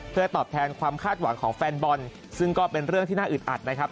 เพื่อตอบแทนความคาดหวังของแฟนบอลซึ่งก็เป็นเรื่องที่น่าอึดอัดนะครับ